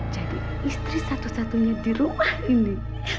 jadi istri satu satunya di rumah ini